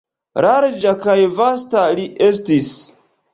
Larĝa kaj vasta li estis!